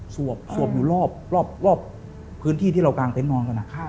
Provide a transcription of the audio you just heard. สวบอยู่รอบพื้นที่ที่เรากางเต็นต์นอนกัน